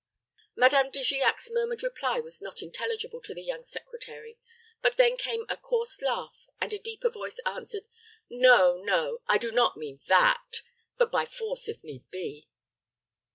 Madame De Giac's murmured reply was not intelligible to the young secretary; but then came a coarse laugh, and the deeper voice answered, "No, no. I do not mean that; but by force, if need be."